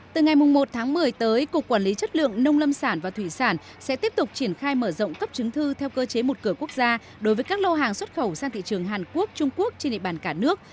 từ ngày một tháng một mươi tới cục quản lý chất lượng nông lâm sản và thủy sản sẽ tiếp tục triển khai mở rộng cấp chứng thư theo cơ chế một cửa quốc gia đối với các lô hàng xuất khẩu sang thị trường hàn quốc trung quốc trên địa bàn cả nước